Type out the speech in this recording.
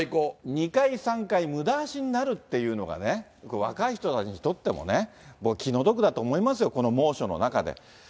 ２回、３回無駄足になるっていうのがね、若い人たちにとってもね、気の毒だと思いますよ、この猛暑の中で。